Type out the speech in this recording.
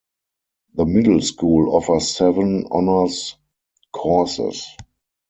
The middle school offers seven honors courses.